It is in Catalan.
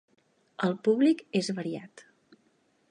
El públic és variat.